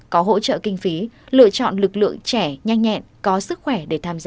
có hỗ trợ kinh phí lựa chọn lực lượng trẻ nhanh nhẹn có sức khỏe để tham gia